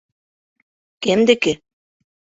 — Кемдеке?